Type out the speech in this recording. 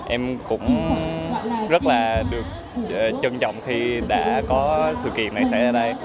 em cũng rất là được trân trọng khi đã có sự kiện này xảy ra đây